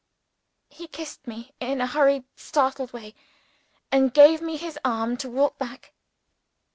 He kissed me in a hurried startled way, and gave me his arm to walk back.